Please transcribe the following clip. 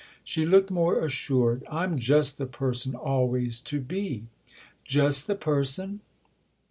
She looked more assured. " I'm just the person always to be." " Just the person